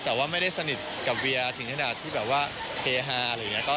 แต่ว่าไม่ได้สนิทกับเวียถึงขนาดที่แบบว่าเฮฮาอะไรอย่างนี้